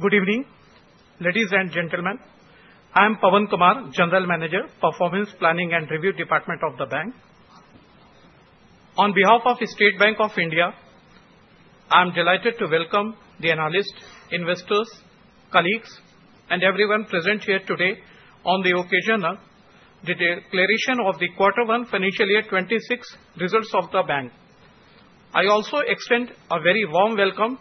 Good evening ladies and gentlemen. I am Pawan Kumar, General Manager, Performance Planning and Review Department of the Bank. On behalf of State Bank of India, I am delighted to welcome the analysts, investors, colleagues, and everyone present here today on the occasion of the declaration of the Quarter 1 Financial Year 2026 results of the Bank. I also extend a very warm welcome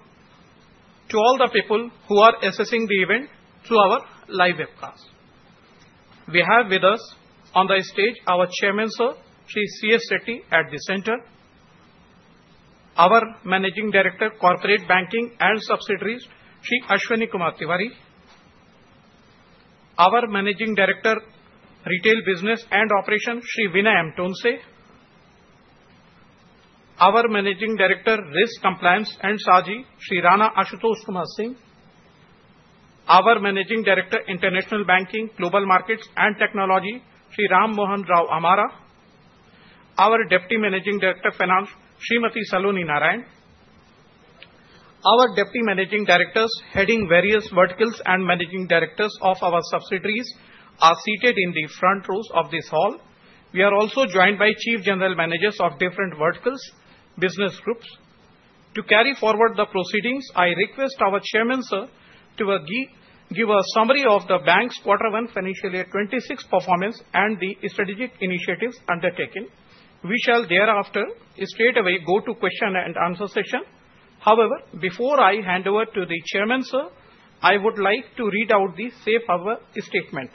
to all the people who are accessing the event through our live webcast. We have with us on the stage our Chairman Sir, Shri C. S. Setty at the center, our Managing Director, Corporate Banking and Subsidiaries, Shri Ashwini Kumar Tewari, our Managing Director, Retail Business and Operations, Shri Vinay M. Tonse, our Managing Director, Risk, Compliance, and SARG, Shri Rana Ashutosh Kumar Singh, our Managing Director, International Banking, Global Markets, and Technology, Shri Rama Mohan Rao Amara, and our Deputy Managing Director, Finance, Smt. Saloni Narayan. Our Deputy Managing Directors heading various verticals and Managing Directors of our subsidiaries are seated in the front rows of this hall. We are also joined by Chief General Managers of different verticals and business groups to carry forward the proceedings. I request our Chairman Sir to give a summary of the Bank's Quarter 1 Financial Year 2026 performance and the strategic initiatives undertaken. We shall thereafter straight away go to the question and answer session. However, before I hand over to the Chairman Sir, I would like to read out the Safe Harbor statement.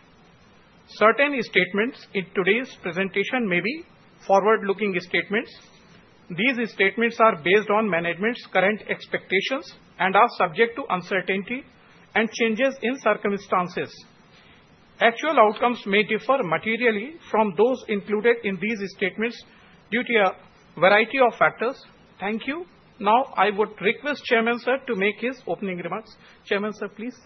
Certain statements in today's presentation may be forward-looking statements. These statements are based on management's current expectations and are subject to uncertainty and changes in circumstances. Actual outcomes may differ materially from those included in these statements due to a variety of factors. Thank you. Now I would request Chairman Sir to make his opening remarks. Chairman Sir, please.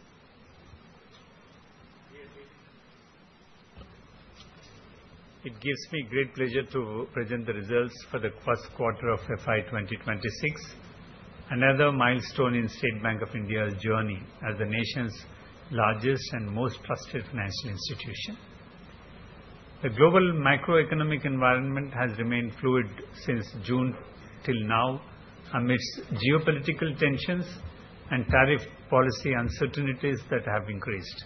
It gives me great pleasure to present the results for the first quarter of FY 2026, another milestone in State Bank of India's journey as the nation's largest and most trusted financial institution. The global macroeconomic environment has remained fluid since June till now amidst geopolitical tensions and tariff policy uncertainties that have increased.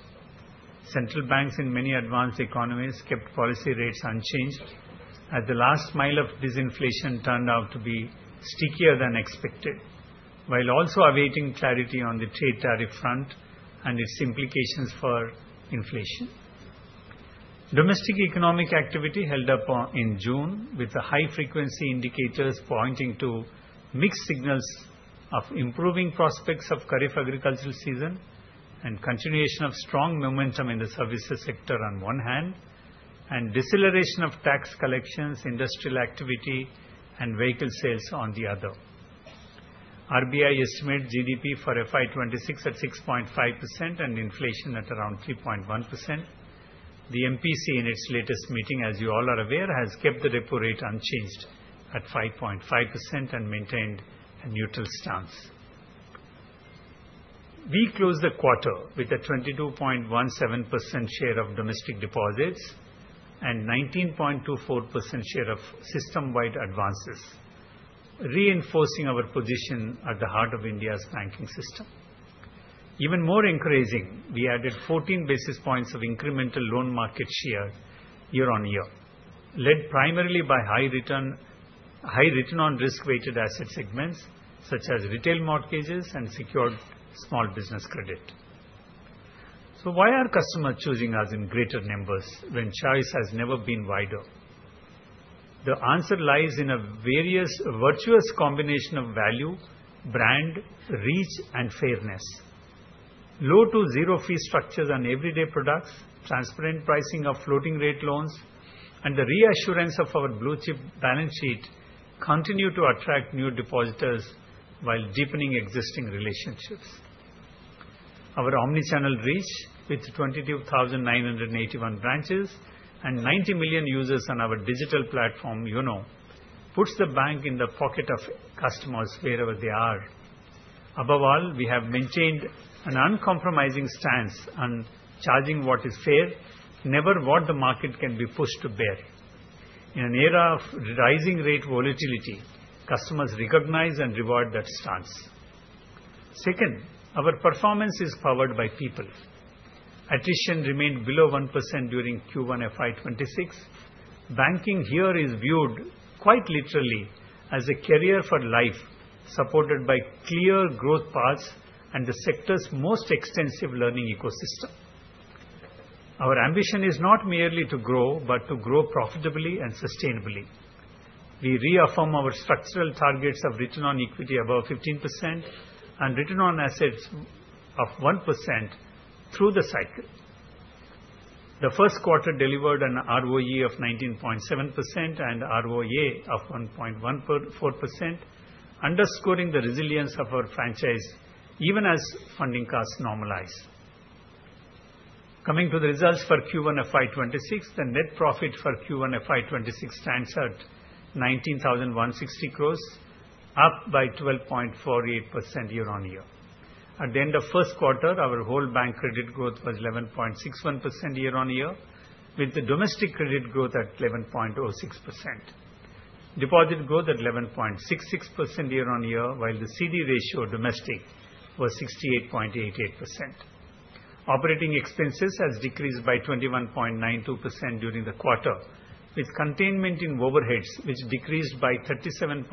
Central banks in many advanced economies kept policy rates unchanged as the last mile of disinflation turned out to be stickier than expected while also awaiting clarity on the trade tariff front and its implications for inflation. Domestic economic activity held up in June with the high-frequency indicators pointing to mixed signals of improving prospects of Kharif agricultural season and continuation of strong momentum in the services sector on one hand, and deceleration of tax collections, industrial activity, and vehicle sales on the other. RBI estimate GDP for FY 2026 at 6.5% and inflation at around 3.1%. The MPC in its latest meeting, as you all are aware, has kept the repo rate unchanged at 5.5% and maintained a neutral stance. We closed the quarter with a 22.17% share of domestic deposits and 19.24% share of system-wide advances, reinforcing our position at the heart of India's banking system. Even more encouraging, we added 14 basis points of incremental loan market share year on year, led primarily by high return on risk-weighted asset segments such as retail mortgages and secured small business credit. Why are customers choosing us in greater numbers when choice has never been wider? The answer lies in a virtuous combination of value, brand reach, and fairness. Low to zero fee structures on everyday products, transparent pricing of floating rate loans, and the reassurance of our blue-chip balance sheet continue to attract new depositors while deepening existing relationships. Our omnichannel reach, with 22,981 branches and 90 million users on our digital platform YONO, puts the bank in the pocket of customers wherever they are. Above all, we have maintained an uncompromising stance on charging what is fair, never what the market can be forced to bear in an era of rising rate volatility. Customers recognize and reward that stance. Second, our performance is powered by people. Attrition remained below 1% during Q1 FY 2026. Banking here is viewed quite literally as a career for life, supported by clear growth paths and the sector's most extensive learning ecosystem. Our ambition is not merely to grow, but to grow profitably and sustainably. We reaffirm our structural targets of return on equity above 15% and return on assets of 1% through the cycle. The first quarter delivered an ROE of 19.7% and ROA of 1.14%, underscoring the resilience of our franchise even as funding costs normalize. Coming to the results for Q1 FY 2026, the net profit for Q1 FY 2026 stands at 19,160 crore, up by 12.48% year on year. At the end of the first quarter, our whole bank credit growth was 11.61% year on year, with the domestic credit growth at 11.06%, deposit growth at 11.66% year on year, while the CD ratio domestic was 68.88%. Operating expenses have decreased by 21.92% during the quarter, with containment in overheads, which decreased by 37.98%.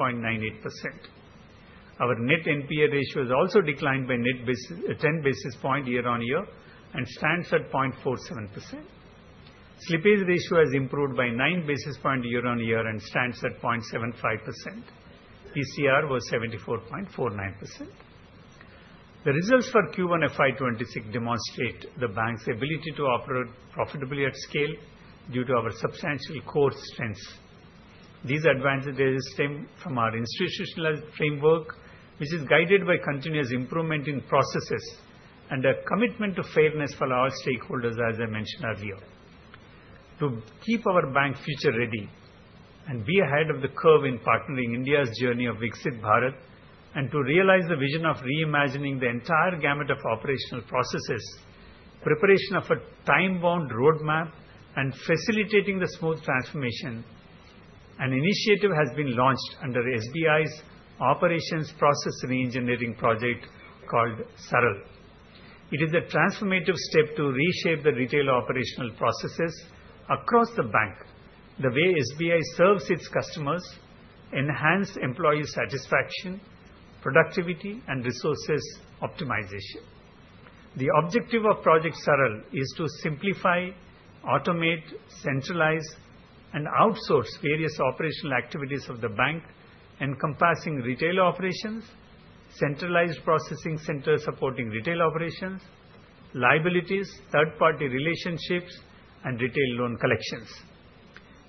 Our net NPA ratio has also declined by 10 basis points year on year and stands at 0.47%. Slippage ratio has improved by 9 basis points year on year and stands at 0.75%. PCR was 74.49%. The results for Q1 FY 2026 demonstrate the bank's ability to operate profitably at scale due to our substantial core strengths. These advantages stem from our institutional framework, which is guided by continuous improvement in processes and a commitment to fairness for our stakeholders. As I mentioned earlier, to keep our bank future ready and be ahead of the curve in partnering India's journey of Viksit Bharat and to realize the vision of reimagining the entire gamut of operational processes, preparation of a time-bound roadmap and facilitating the smooth transformation. An initiative has been launched under SBI's operations process reengineering project called SARAL. It is a transformative step to reshape the retail operational processes across the bank. The way SBI serves its customers enhances employee satisfaction, productivity, and resource optimization. The objective of project SARAL is to simplify, automate, centralize, and outsource various operational activities of the bank encompassing retail operations, centralized processing centers, supporting retail operations, liabilities, third-party relationships, and retail loan collections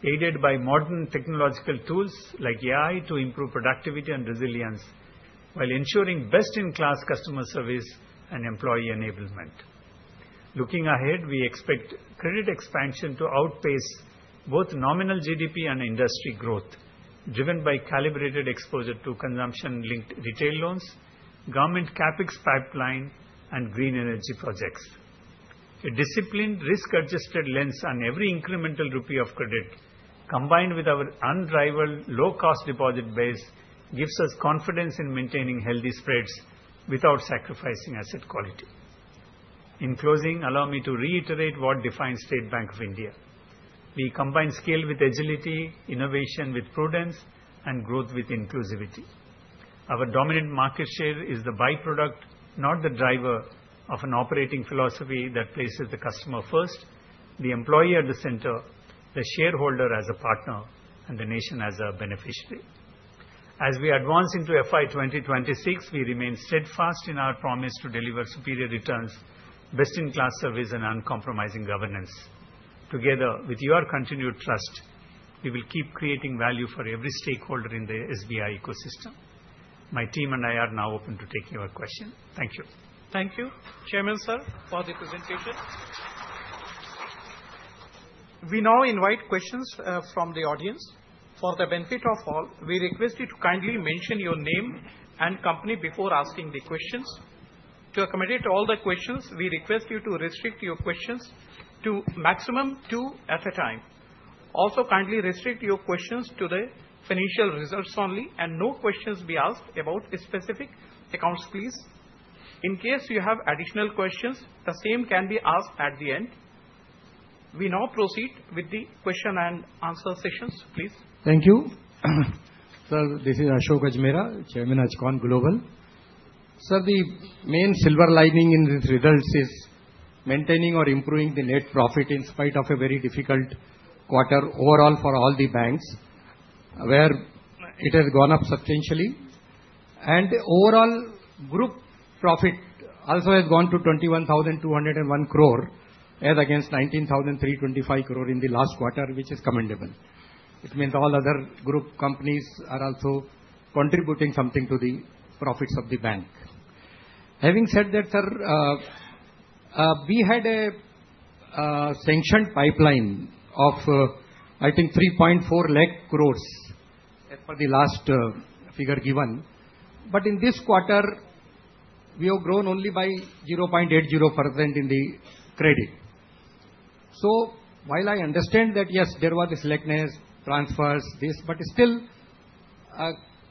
aided by modern technological tools like AI to improve productivity and resilience while ensuring best-in-class customer service and employee enablement. Looking ahead, we expect credit expansion to outpace both nominal GDP and industry growth, driven by calibrated exposure to consumption-linked retail loans, government CapEx, pipeline, and green energy projects. A disciplined risk-adjusted lens on every incremental rupee of credit, combined with our unrivaled low-cost deposit base, gives us confidence in maintaining healthy spreads without sacrificing asset quality. In closing, allow me to reiterate what defines State Bank of India. We combine skill with agility, innovation with prudence, and growth with inclusivity. Our dominant market share is the byproduct, not the driver of an operating philosophy that places the customer first, the employee at the center, the shareholder as a partner, and the nation as a beneficiary. As we advance into FY 2026, we remain steadfast in our promise to deliver superior returns, best-in-class service, and uncompromising governance. Together with your continued trust, we will keep creating value for every stakeholder in the SBI ecosystem. My team and I are now open to taking our question. Thank you. Thank you, Chairman sir, for the presentation. We now invite questions from the audience. For the benefit of all, we request you to kindly mention your name and company before asking the questions. To accommodate all the questions, we request you to restrict your questions to a maximum of two at a time. Also, kindly restrict your questions to the financial results only, and no questions be asked about specific accounts please. In case you have additional questions, the same can be asked at the end. We now proceed with the question and answer sessions, please. Thank you. Sir, this is Ashok Ajmera, Chairman, Ajcon Global. Sir, the main silver lining in these results is maintaining or improving the net profit in spite of a very difficult quarter overall for all the banks where it has gone up substantially. The overall group profit also has gone to 21,201 crore as against 19,325 crore in the last quarter, which is commendable. It means all other group companies are also contributing something to the profits of the bank. Having said that, sir, we had a sanctioned pipeline of, I think, 3.4 lakh crore for the last figure given. In this quarter, we have grown only by 0.80% in the credit. While I understand that, yes, there were the slackness transfers, this. Still,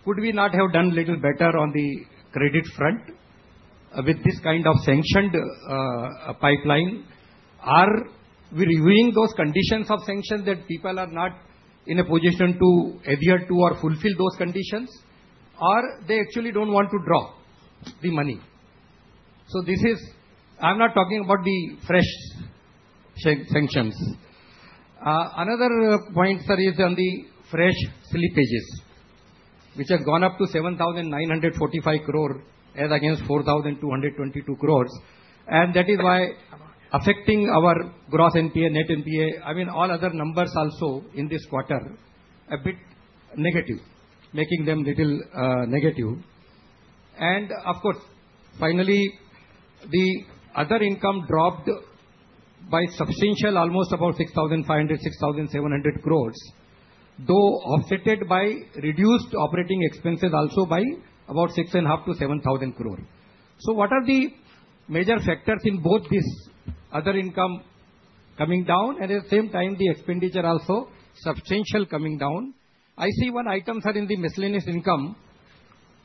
could we not have done a little better on the credit front with this kind of sanctioned pipeline? Are we reviewing those conditions of sanctions that people are not in a position to adhere to or fulfill those conditions, or they actually don't want to draw the money? This is. I'm not talking about the fresh sanctions. Another point, sir, is on the fresh slippages, which have gone up to 7,945 crore as against 4,222 crore. That is why affecting our gross NPA, net NPA, I mean all other numbers also in this quarter a bit negative, making them a little negative. Of course, finally the other income dropped by substantial, almost about 6,500 crore, 6,700 crore, though offset by reduced operating expenses also by about 6,500 crore-7,000 crore. What are the major factors in both this other income coming down and at the same time the expenditure also substantially coming down? I see one item is in the miscellaneous income.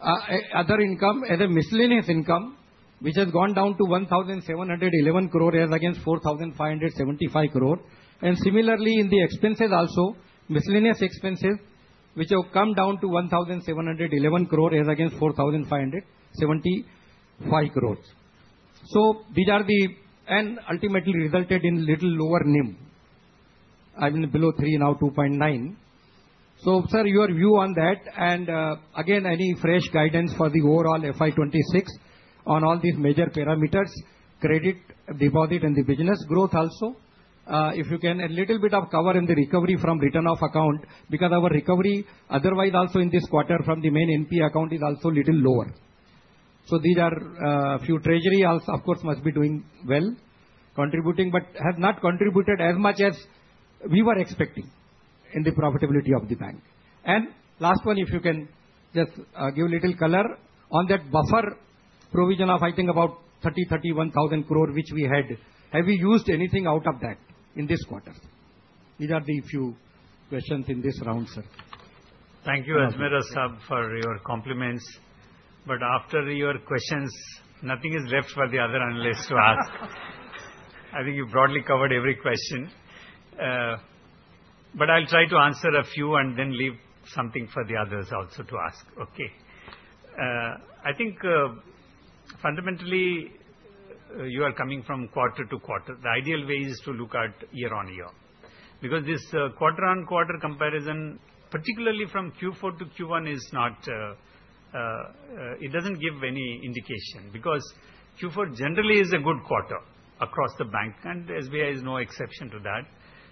Other income as a miscellaneous income, which has gone down to 1,711 crore as against 4,575 crore. Similarly, in the expenses also, miscellaneous expenses have come down to 1,711 crore as against 4,575 crore. These ultimately resulted in a little lower NIM, I mean below 3, now 2.9. Sir, your view on that? Any fresh guidance for the overall FY 2026 on all these major parameters, credit, deposit, and the business growth? Also, if you can, a little bit of cover in the recovery from return of account because our recovery otherwise also in this quarter from the main NPA account is also a little lower. These are a few. Treasury, of course, must be doing well, contributing, but has not contributed as much as we were expecting in the profitability of the bank. Last one, if you can just give a little color on that buffer provision of I think about 30,000 crore, 31,000 crore which we had. Have we used anything out of that in this quarter? These are the few questions in this round, sir. Thank you, Ajmera Saab, for your compliments, but after your questions, nothing is left for the other analysts to ask. I think you broadly covered every question, but I'll try to answer a few and then leave something for the others also to ask. I think fundamentally you are coming from quarter to quarter. The ideal way is to look at year on year because this quarter on quarter comparison, particularly from Q4 to Q1, does not give any indication because Q4 generally is a good quarter across the bank, and SBI is no exception to that.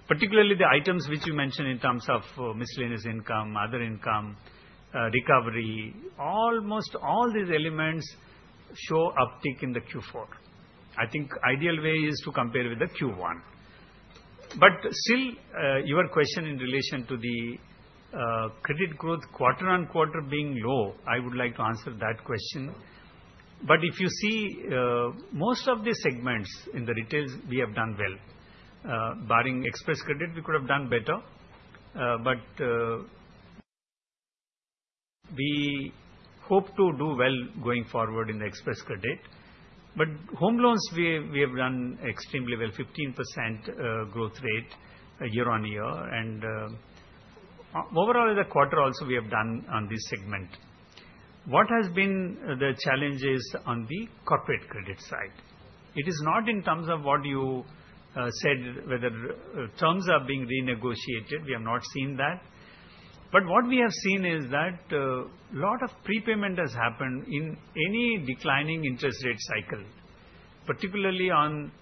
Particularly the items which you mentioned in terms of miscellaneous income, other income, recovery, almost all these elements show uptick in the Q4. I think the ideal way is to compare with the Q1. Still, your question in relation to the credit growth quarter on quarter being low. I would like to answer that question, but if you see most of the segments in the retails, we have done well barring Xpress Credit. We could have done better, but we hope to do well going forward in the Xpress Credit. Home loans, we have done extremely well, 15% growth rate year on year, and overall in the quarter also we have done on this segment. What has been the challenges on the corporate credit side? It is not in terms of what you said, whether terms are being renegotiated. We have not seen that, but what we have seen is that a lot of prepayment has happened in any declining interest rate cycle, particularly on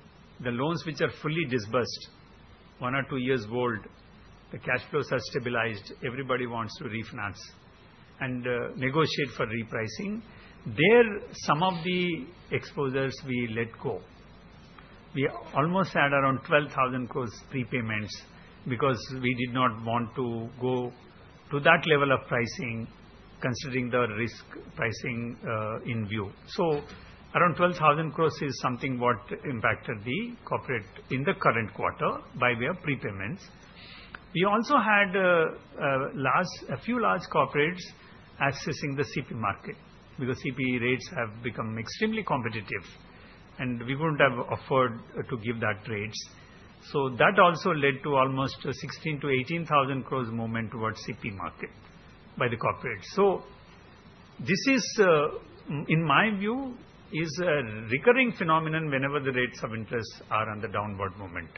the loans which are fully disbursed, one or two years old, the cash flows are stabilized, everybody wants to refinance and negotiate for repricing. There, some of the exposures we let go. We almost had around 12,000 crore prepayments because we did not want to go to that level of pricing considering the risk pricing in view. So, around 12,000 crore is something that impacted the corporate in the current quarter by way of prepayments. We also had last a few large corporates accessing the CP market because CP rates have become extremely competitive, and we wouldn't have afforded to give that rates. That also led to almost INR 16,000crore-INR 18,000 crore movement towards CP market by the corporate. This, in my view, is a recurring phenomenon whenever the rates of interest are on the downward movement.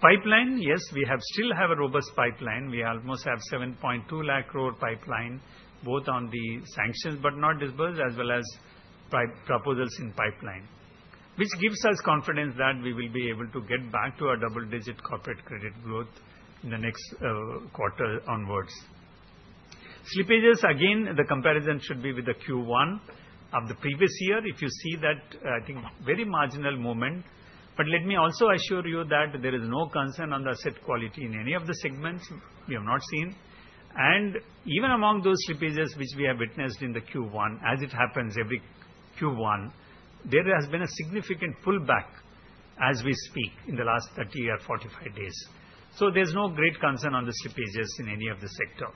Pipeline, yes, we still have a robust pipeline. We almost have 7.2 lakh crore pipeline, both on the sanctions but not disbursed as well as proposals in pipeline, which gives us confidence that we will be able to get back to a double-digit corporate credit growth in the next quarter onwards. Slippages, again, the comparison should be with the Q1 of the previous year. If you see that, I think very marginal movement. Let me also assure you that there is no concern on the asset quality in any of the segments you have not seen. Even among those slippages which we have witnessed in the Q1, as it happens every Q1, there has been a significant pullback as we speak in the last 30 or 45 days. There is no great concern on the slippages in any of the sector.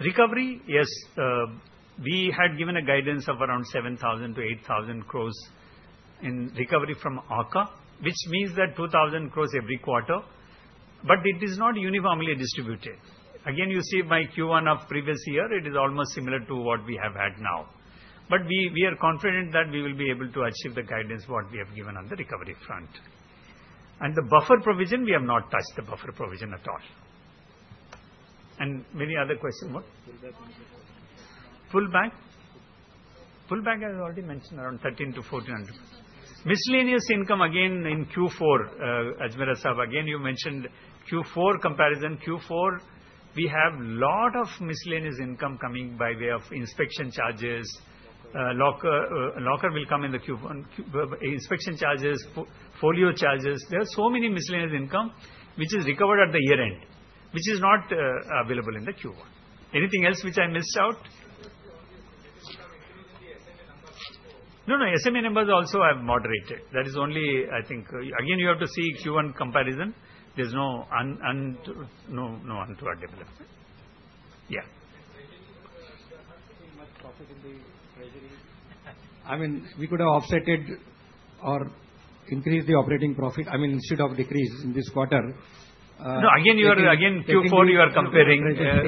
Recovery, yes, we had given a guidance of around 7,000 crore-8,000 crore in recovery from AUCA, which means that 2,000 crore every quarter, but it is not uniformly distributed. Again, you see my Q1 of previous year, it is almost similar to what we have had now. We are confident that we will be able to achieve the guidance we have given on the recovery front. The buffer provision, we have not touched the buffer provision at all. Many other questions, what pullback? Full bank has already mentioned around 1,300- 1,400 miscellaneous income again in Q4. Ajmera Saab, again you mentioned Q4 comparison. In Q4, we have a lot of miscellaneous income coming by way of inspection charges. Locker will come in Q1, inspection charges, folio charges. There are so many miscellaneous income items which are recovered at the year end which are not available in Q1. Anything else which I missed out? No, no. SMA numbers also have moderated. That is only, I think, again you have to see Q1 comparison. There's no untowardable. Yeah. Much profit in the treasury. I mean, we could have offset or increased the operating profit instead of a decrease in this quarter. No, again, you are again Q4, you are comparing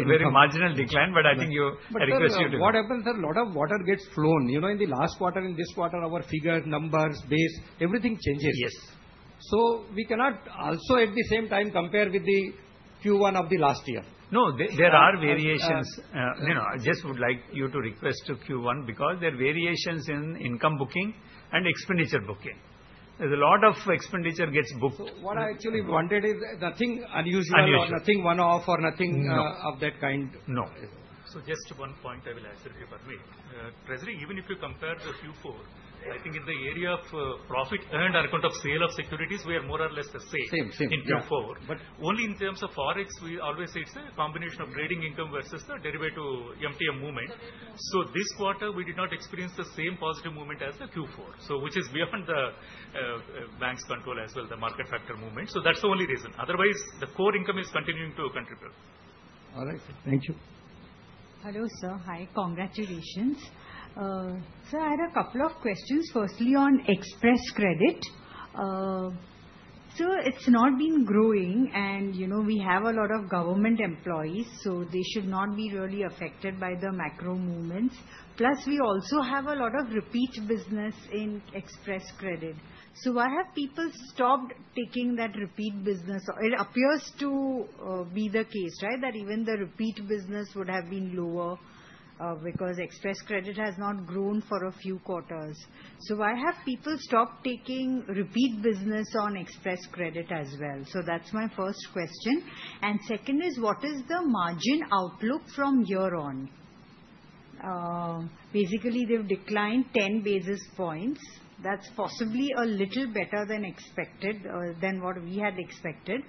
very marginal decline. I think you request you to. What happens, a lot of water gets flown. In the last quarter, in this quarter, our figure numbers base, everything changes. Yes. We cannot also at the same time compare with Q1 of last year. There are variations. I just would like you to request a Q1 because there are variations in income booking and expenditure booking. There's a lot of expenditure gets booked. What I actually wanted is nothing unusual, nothing one-off or nothing of that kind. No. Just one point I will answer you, for me, treasury, even if you compare the Q4, I think in the area of profit and account of sale of securities, we are more or less the same in Q4, but only in terms of forex. We always say it's a combination of trading income versus the derivative MTM movement. This quarter, we did not experience the same positive movement as Q4, which is beyond the bank's control as well as the market factor movement. That's the only reason, otherwise the core income is continuing to contribute. All right sir, thank you. Hello sir. Hi. Congratulations sir. I had a couple of questions. Firstly, on Xpress Credit, so it's not been growing and we have a lot of government employees, so they should not be really affected by the macro movements. Plus, we also have a lot of repeat business in Xpress Credit. Why have people stopped taking that repeat business? It appears to be the case, right, that even the repeat business would have been lower because Xpress Credit has not grown for a few quarters. Why have people stopped taking repeat business on Xpress Credit as well? That's my first question. Second is, what is the margin outlook from here on? Basically, they've declined 10 basis points. That's possibly a little better than what we had expected.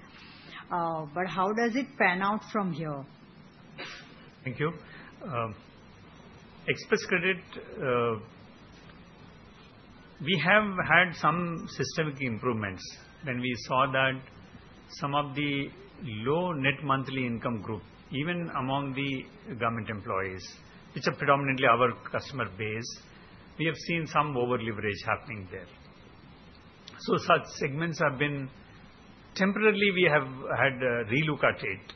How does it pan out from here? Thank you. Xpress Credit, we have had some systemic improvements. When we saw that some of the low net monthly income group, even among the government employees, which are predominantly our customer base, we have seen some over-leverage happening there. Such segments have been temporarily, we have had relook change,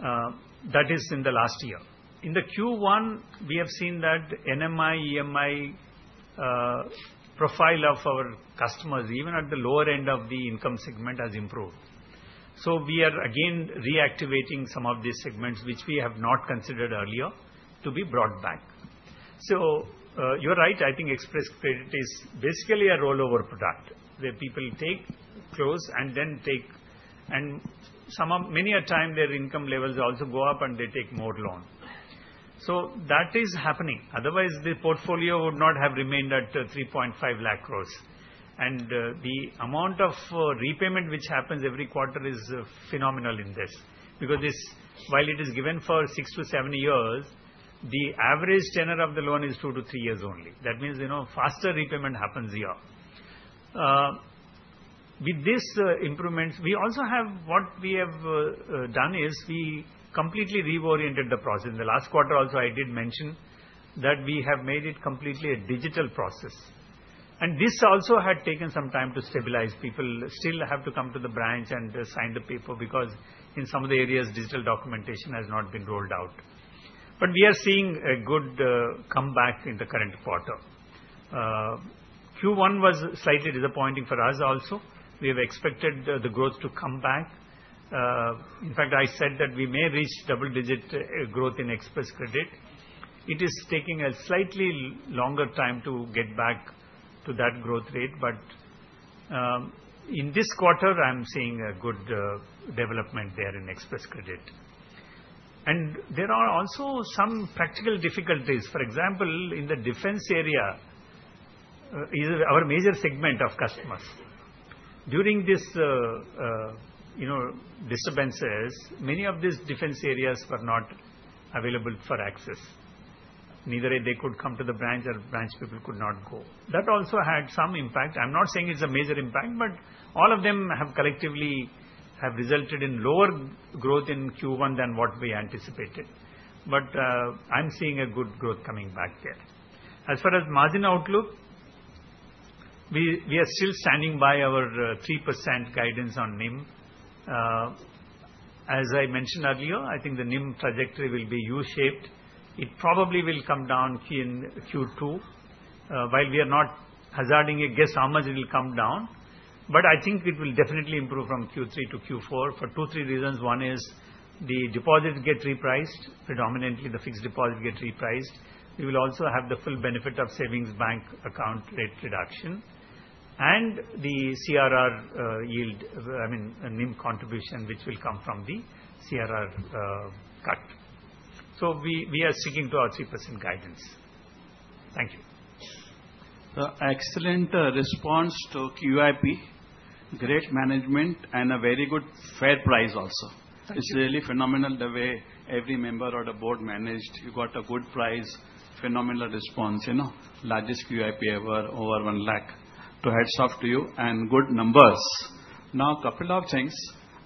that is, in the last year in Q1, we have seen that NMI, EMI profile of our customers, even at the lower end of the income segment, has improved. We are again reactivating some of these segments which we have not considered earlier to be brought back. You're right. I think Xpress Credit is basically a rollover product where people take, close, and then take, and many a time their income levels also go up and they take more loan. That is happening, otherwise the portfolio would not have remained at 3.5 lakh crore. The amount of repayment which happens every quarter is phenomenal in this because while it is given for six to seven years, the average tenor of the loan is two to three years only. That means, you know, faster repayment happens here. With these improvements, what we have done is we completely reoriented the process in the last quarter. Also, I did mention that we have made it completely a digital process. This also had taken some time to stabilize. People still have to come to the branch and sign the paper because in some of the areas, digital documentation has not been rolled out. We are seeing a good comeback in the current quarter. Q1 was slightly disappointing for us. We have expected the growth to come back. In fact, I said that we may reach double-digit growth in Xpress Credit. It is taking a slightly longer time to get back to that growth rate. In this quarter, I'm seeing a good development there in Xpress Credit. There are also some practical difficulties. For example, in the defense area, our major segment of customers, during this, you know, disturbances, many of these defense areas were not available for access. Neither they could come to the branch or branch people could not go. That also had some impact. I'm not saying it's a major impact, but all of them collectively have resulted in lower growth in Q1 than what we anticipated. I'm seeing a good growth coming back there. As far as margin outlook, we are still standing by our 3% guidance on NIM. As I mentioned earlier, I think the NIM trajectory will be U-shaped. It probably will come down in Q2. While we are not hazarding a guess how much it will come down, I think it will definitely improve from Q3 to Q4 for two, three reasons. One is the deposit gets repriced, predominantly the fixed deposit gets repriced. We will also have the full benefit of savings bank account rate reduction and the CRR yield, I mean a NIM contribution which will come from the CRR cut. We are sticking to our 3% guidance. Thank you. Excellent response to QIP. Great management and a very good fair price. Also, it's really phenomenal the way every member of the board managed. You got a good price, phenomenal response, you know, largest QIP ever, over 1 lakh, so heads off to you. And good numbers. Now, couple of things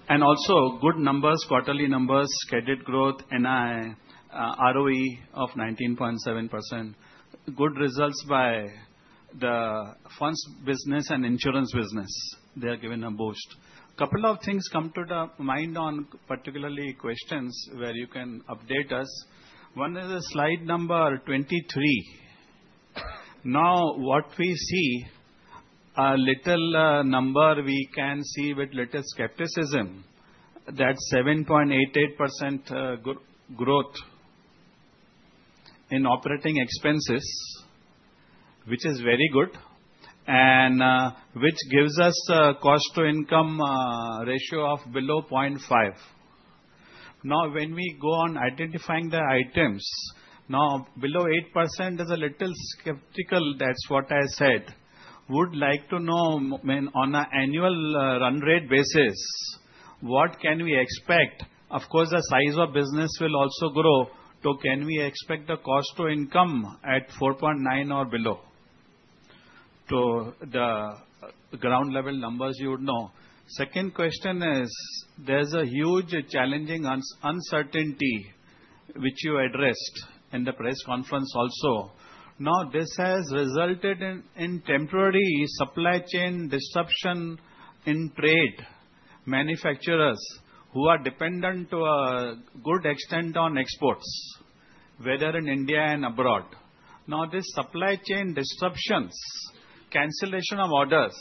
and also good numbers. Quarterly numbers, credit growth, NI, ROE of 19.7%. Good results by the funds business and insurance business. They have given a boost. Couple of things come to the mind on particularly questions where you can update us. One is a slide number 23. Now, what we see, a little number, we can see with little skepticism that 7.88% growth in operating expenses, which is very good and which gives us cost to income ratio of below [0.5x]. Now, when we go on identifying the items, now below 8% is a little skeptical. That's what I said, would like to know when on an annual run rate basis what can we expect. Of course, the size of business will also grow, so can we expect the cost to income at 4.9 or below to the ground level numbers? You would know. Second question is there's a huge challenging uncertainty which you addressed in the press conference also. This has resulted in temporary supply chain disruption in trade manufacturers who are dependent to a good extent on exports, whether in India and abroad. Now this supply chain disruptions, cancellation of orders,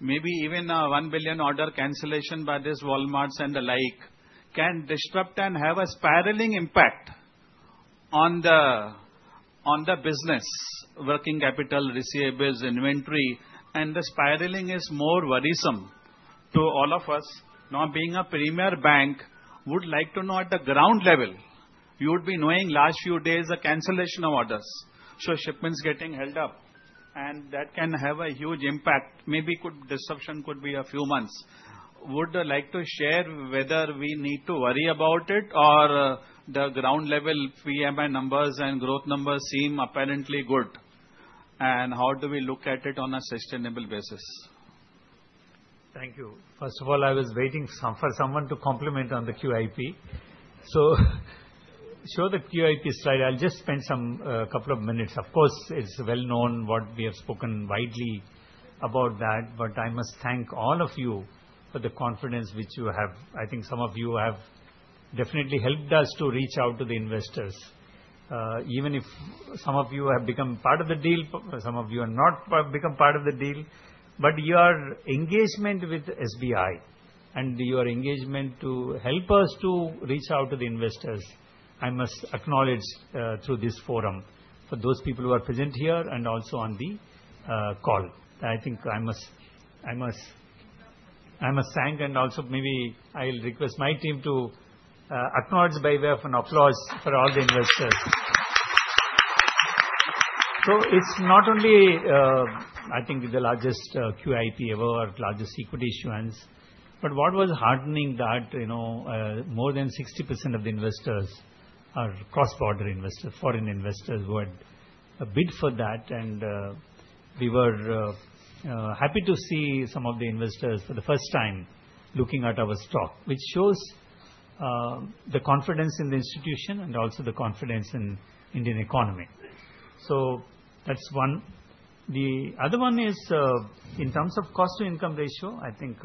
maybe even a 1 billion order cancellation by Walmarts and the like, can disrupt and have a spiraling impact on the business working capital, receivables, inventory, and the spiraling is more worrisome to all of us. Not being a premier bank, would like to know at the ground level, you would be knowing last few days the cancellation of orders, so shipments getting held up, and that can have a huge impact. Maybe disruption could be a few months. Would like to share whether we need to worry about it or the ground level [VMI] numbers and growth numbers seem apparently good, and how do we look at it on a sustainable basis? Thank you. First of all, I was waiting for someone to compliment on the QIP, so show the QIP slide. I'll just spend a couple of minutes. Of course, it's well known what we have spoken widely about that, but I must thank all of you for the confidence which you have. I think some of you have definitely helped us to reach out to the investors. Even if some of you have become part of the deal, some of you have not become part of the deal, but your engagement with SBI and your engagement to help us to reach out to the investors, I must acknowledge through this forum for those people who are present here and also on the call. I think I must, I must, I must thank and also maybe I'll request my team to acknowledge by way of an applause for all the investors. It's not only, I think, the largest QIP ever, largest equity issuance, but what was heartening is that more than 60% of the investors are cross-border investors, foreign investors who had bid for that, and we were happy to see some of the investors for the first time looking at our stock, which shows the confidence in the institution and also the confidence in the Indian economy. That's one. The other one is in terms of cost to income ratio. I think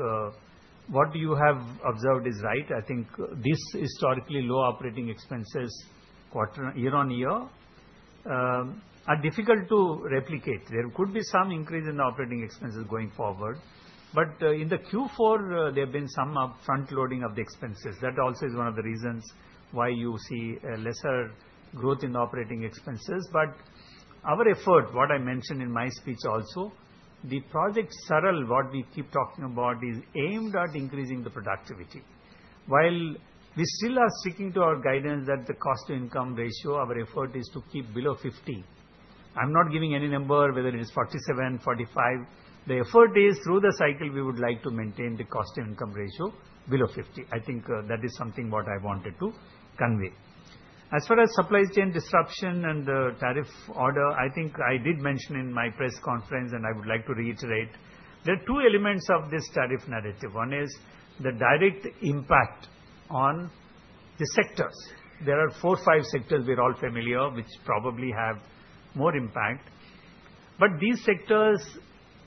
what you have observed is right. I think this historically low operating expenses quarter, year on year, are difficult to replicate. There could be some increase in operating expenses going forward. In Q4, there have been some upfront loading of the expenses. That also is one of the reasons why you see a lesser growth in operating expenses. Our effort, what I mentioned in my speech, also the project SARAL, what we keep talking about, is aimed at increasing the productivity. While we still are sticking to our guidance that the cost to income ratio, our effort is to keep below [50%]. I'm not giving any number whether it is [47%, 45%], the effort is through the cycle. We would like to maintain the cost to income ratio below [50%]. I think that is something what I wanted to convey. As far as supply chain disruption and the tariff order, I think I did mention in my press conference and I would like to reiterate there are two elements of this tariff narrative. One is the direct impact on the sectors. There are four, five sectors we're all familiar with which probably have more impact. These sectors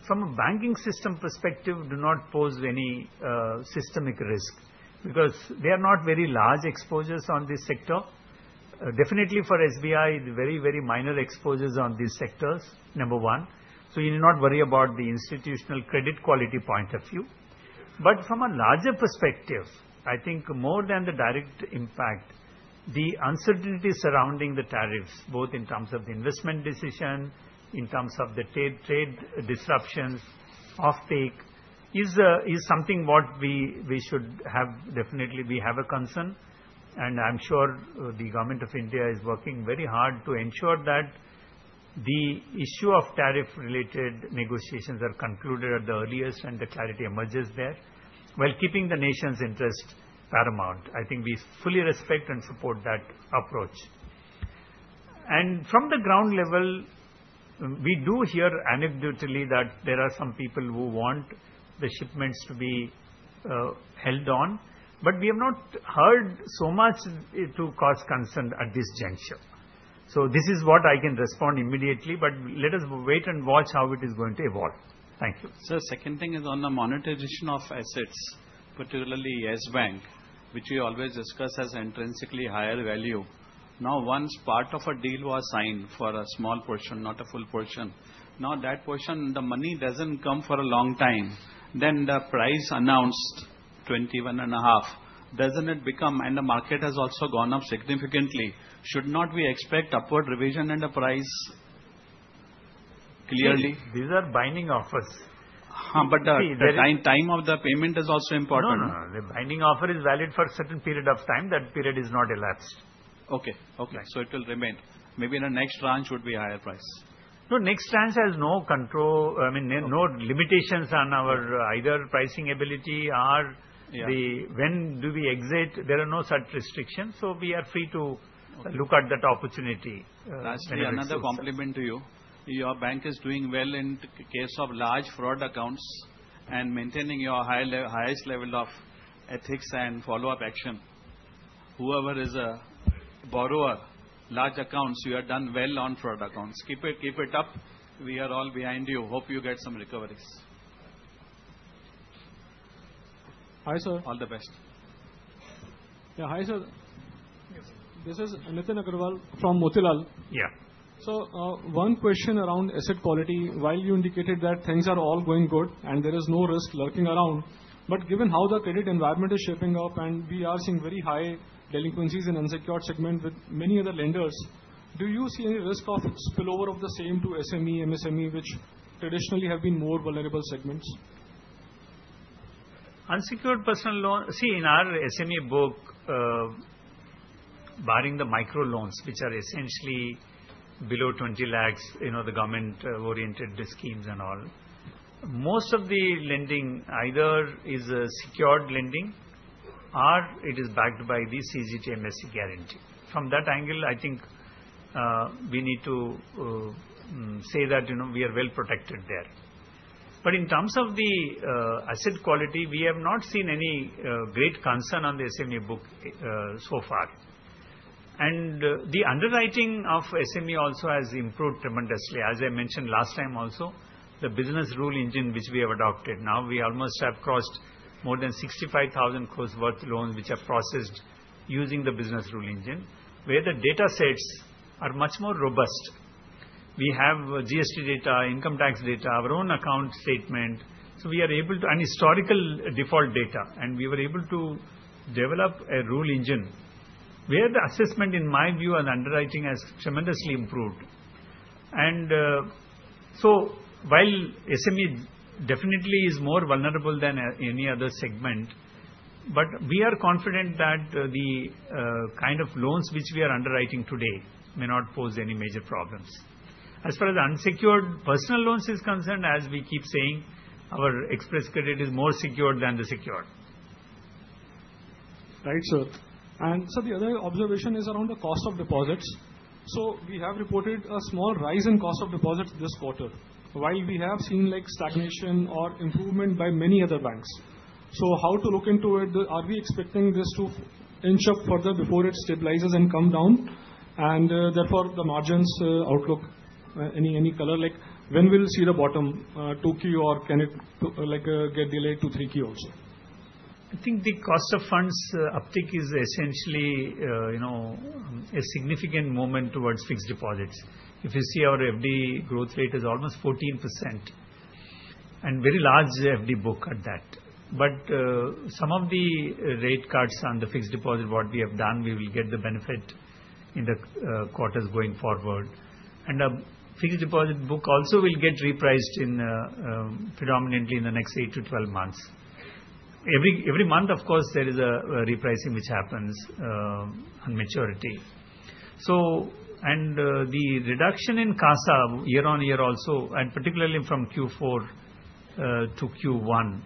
from a banking system perspective do not pose any systemic risk because they are not very large exposures. On this sector, definitely for SBI, the very, very minor exposures on these sectors, number one. You need not worry about the institutional credit quality point of view. From a larger perspective, I think more than the direct impact, the uncertainty surrounding the tariffs both in terms of the investment decision, in terms of the trade disruptions offtake is something what we should have. Definitely we have a concern and I'm sure the Government of India is working very hard to ensure that the issue of tariff related negotiations are concluded at the earliest and the clarity emerges there while keeping the nation's interest paramount. I think we fully respect and support that approach. From the ground level we do hear anecdotally that there are some people who want the shipments to be held on. We have not heard so much to cause concern at this juncture. This is what I can respond immediately. Let us wait and watch how it is going to evolve. Thank you. Sir, second thing is on the monetization of assets, particularly as bank which we always discuss as intrinsically higher value. Now once part of a deal was signed for a small portion, not a full portion. Now that portion, the money doesn't come for a long time. Then the price announced 21.5 doesn't it become and the market has also gone up significantly. Should not we expect upward revision in the price clearly? These are binding offers. In time of the payment is also important. The binding offer is valid for certain period of time. That period is not elapsed. Okay, it will remain, maybe in the next tranche would be higher price. Next tranche has no control. I mean no limitations on our either pricing ability or when do we exit? There are no such restrictions, we are free to look at that opportunity. Another compliment to you. Your bank is doing well in case of large fraud accounts and maintaining your highest level of ethics and follow-up action. Whoever is a borrower, large accounts, you have done well on fraud accounts. Keep it up. We are all behind you. Hope you get some recoveries. Yeah. Hi sir. Yes, this is Nitin Aggarwal from Motilal. Yeah, so one question around asset quality. While you indicated that things are all going good and there is no risk lurking around, given how the credit environment is shaping up and we are seeing very high delinquencies in unsecured segment with many other lenders, do you see any risk of spillover of the same to SME, MSME which traditionally have been more vulnerable segments? Unsecured personal loan. See, in our SME book, barring the micro loans which are essentially below 20 lakh, you know, the government-oriented schemes and all, most of the lending either is a secured lending or it is backed by the CGTMSE guarantee. From that angle, I think we need to say that, you know, we are well protected there. In terms of the asset quality, we have not seen any great concern on the SME book so far. The underwriting of SME also has improved tremendously. As I mentioned last time, also the business rule engine which we have adopted now, we almost have crossed more than 65,000 crore worth loans which are processed using the business rule engine where the data sets are much more robust. We have GST data, income tax data, our own account statement. We are able to and historical default data and we were able to develop a rule engine where the assessment in my view and underwriting has tremendously improved. While SME definitely is more vulnerable than any other segment, we are confident that the kind of loans which we are underwriting today may not pose any major problems as far as unsecured personal loans is concerned. As we keep saying, our Xpress Credit is more secured than the secured. Right. The other observation is around the cost of deposits. We have reported a small rise in cost of deposits this quarter while we have seen stagnation or improvement by many other banks. How to look into it? Are we expecting this to inch up further before it stabilizes and comes down? Therefore, the margins outlook, any color like when will you see the bottom, 2Q or can it get delayed to 3Q also? I think the cost of funds uptick is essentially a significant movement towards fixed deposits. If you see our FD growth rate, it is almost 14% and a very large FD book at that. Some of the rate cuts on the fixed deposit that we have done, we will get the benefit in the quarters going forward, and a fixed deposit book also will get repriced predominantly in the next eight to 12 months, every month. Of course, there is a repricing which happens on maturity. The reduction in CASA year on year also, and particularly from Q4 to Q1,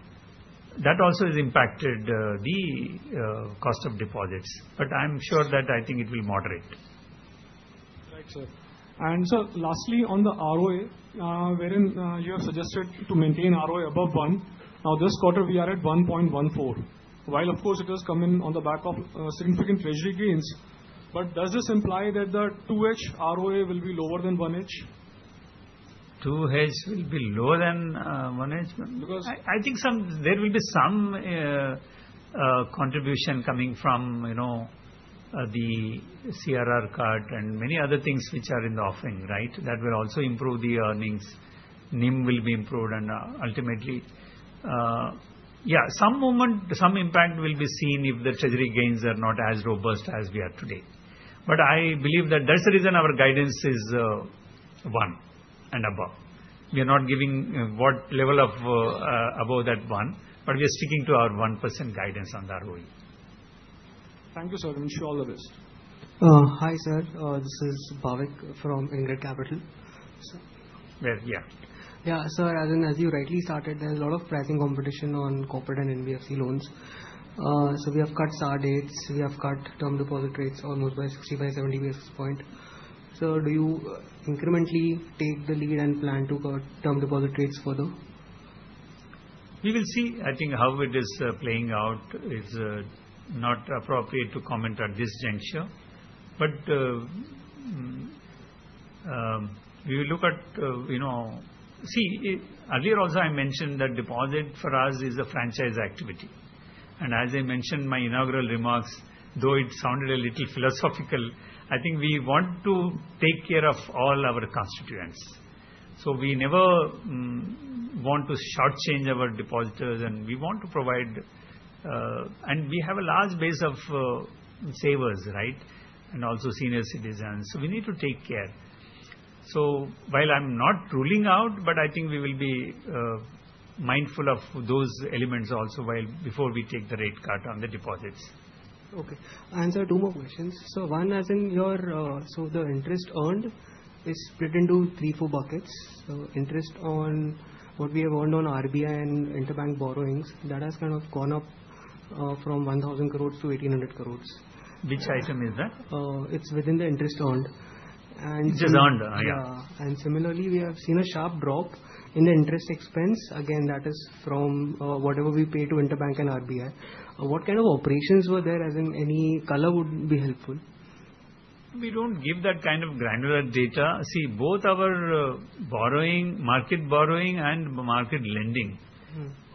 that also has impacted the cost of deposits, but I am sure that it will moderate. Right, sir. Lastly, on the ROA, wherein you have suggested to maintain ROA above 1%, now this quarter we are at 1.14%. While of course it has come in on the back of significant treasury gains, does this imply that the 2H ROA will be lower than 1H? 2H will be lower than 1H because I think there will be some contribution coming from the CRR cut and many other things which are in the offering. That will also improve the earnings, NIM will be improved, and ultimately, some impact will be seen if the treasury gains are not as robust as we are today. I believe that is the reason our guidance is one and above. We are not giving what level of above that one, but we are sticking to our 1% guidance on the ROA. Thank you, sir, and wish you all the best. Hi sir, this is Bhavik from InCred Capital. Sir, as you rightly started, there is a lot of pricing competition on corporate and NBFC loans. We have cut SA rates, we have cut term deposit rates on 65, 70 basis points. Do you incrementally take the lead and plan to cut term deposit rates further? We will see. I think how it is playing out is not appropriate to comment at this juncture, but we will look at it. Earlier also, I mentioned that deposit for us is a franchise activity, and as I mentioned in my inaugural remarks, though it sounded a little philosophical, I think we want to take care of all our constituents, so we never want to shortchange our depositors, and we want to provide, and we have a large base of savers and also senior citizens. We need to take care. While I am not ruling out, I think we will be mindful of those elements also before we take the rate cut on the deposits. Okay, I'll answer two more questions. One, as in your interest earned, is split into three, four buckets. Interest on what we have earned on RBI and interbank borrowings, that has kind of gone up from 1,000 crore-1,800 crore. Which item is that? It's within the interest earned. Similarly, we have seen a sharp drop in the interest expense. Again, that is from whatever we pay to interbank and RBI. What kind of operations were there? Any color would be helpful. We don't give that kind of granular data. Both our market borrowing and market lending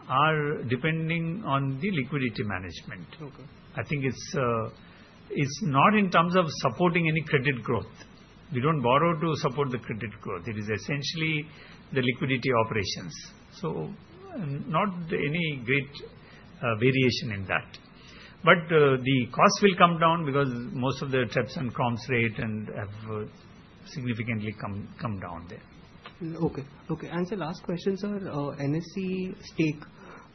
are depending on the liquidity management. I think it's not in terms of supporting any credit growth. You don't borrow to support the credit growth. It is essentially the liquidity operations. Not any great variation in that, but the cost will come down because most of the TREPs and CROMs rate have significantly come down there. Okay, answer last question. Sir, NSE stake.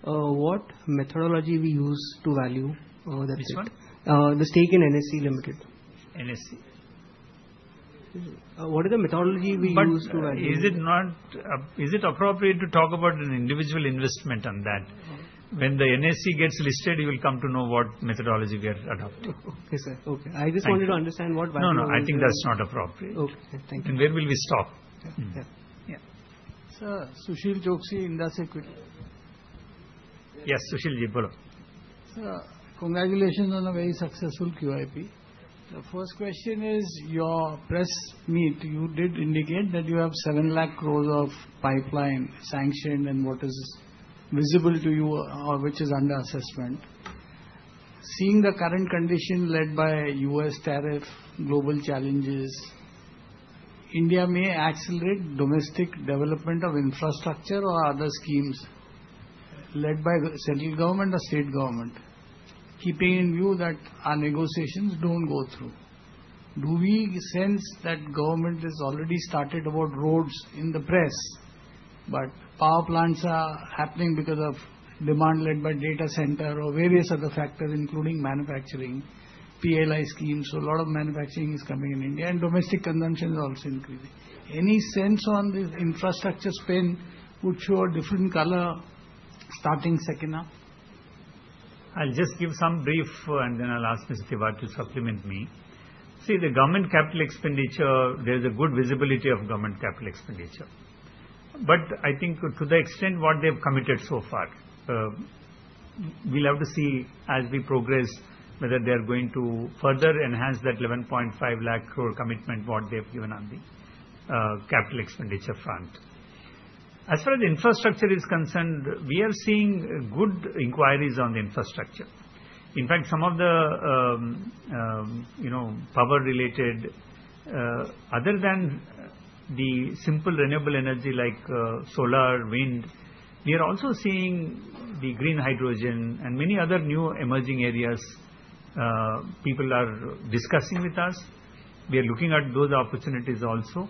What methodology do we use to value the result? The stake in NSE Ltd? NSE, what is the methodology we use? Is it appropriate to talk about an individual investment on that? When the NSE gets listed, you will come to know what methodology we are adopting. Okay, sir. I just wanted to understand what— No, no. I think that's not appropriate. Thank you. Where will we stop? Yeah. Sir, Sushil Choksey, Indus Equity. Yes. Congratulations on a very successful QIP. First question is, your press meet, you did indicate that you have 7 lakh crore of pipeline sanctioned. What is visible to you which is under assessment? Seeing the current condition led by U.S. tariff, global challenges, India may accelerate domestic development of infrastructure or other schemes led by central government or state government. Keeping in view that our negotiations don't go through, do we sense that government has already started about roads in the press, but power plants are happening because of demand led by data center or various other factors including manufacturing PLI schemes? A lot of manufacturing is coming in India and domestic consumption is also increasing. Any sense on this infrastructure spin would show a different color starting second half? I'll just give some brief and then I'll ask Mr. Tewari to supplement me. The government capital expenditure, there's a good visibility of government capital expenditure. I think to the extent what they've committed so far, we love to see as we progress whether they're going to further enhance that 11.5 lakh crore commitment they've given on the capital expenditure front as far as infrastructure is concerned. We are seeing good inquiries on the infrastructure. In fact, some of the power-related, other than the simple renewable energy like solar, wind, we are also seeing the green hydrogen and many other new emerging areas people are discussing with us. We are looking at those opportunities also.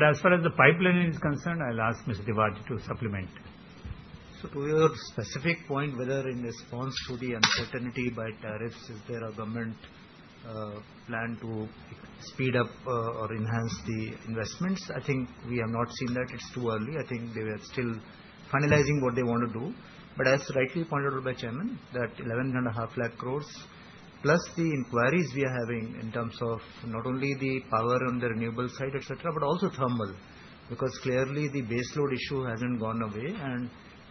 As far as the pipeline is concerned, I'll ask Mr. Tewari to supplement. To your specific point, whether in response to the uncertainty by tariffs, is there a government plan to speed up or enhance the investments? We have not seen that. It's too early. They are still finalizing what they want to do. As rightly pointed out by Chairman, that 11.15 lakh crore, plus the inquiries we are having in terms of not only the power on the renewable side, but also thermal, because clearly the baseload issue hasn't gone away.